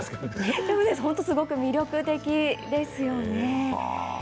すごく魅力的ですよね。